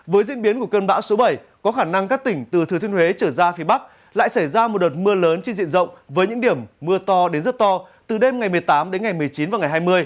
với diễn biến của cơn bão số bảy có khả năng các tỉnh từ thừa thiên huế trở ra phía bắc lại xảy ra một đợt mưa lớn trên diện rộng với những điểm mưa to đến rất to từ đêm ngày một mươi tám đến ngày một mươi chín và ngày hai mươi